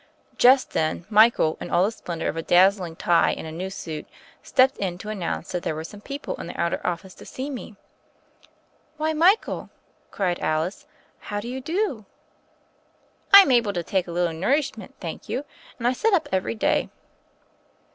Just then, Michael, in all the splendor of a dazzling tie and a new suit, stepped in to an nounce that there were some people in the outer office to see me. "Why, Michael," cried Alice, "how do you do?" "I'm able to take a little nourishment, thank you, and I sit up every day."